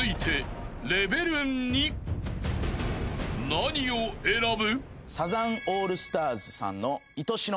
［何を選ぶ？］